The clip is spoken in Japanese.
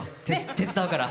手伝うから。